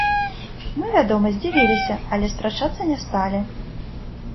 Мы, вядома, здзівіліся, але спрачацца не сталі.